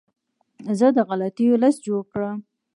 زه د غلطیو لیست جوړ کړم.